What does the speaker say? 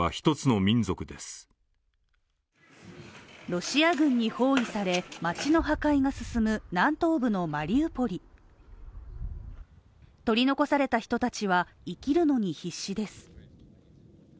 ロシア軍に包囲され、街の破壊が進む南東部のマリウポリ取り残された人たちは生きるのに必死です。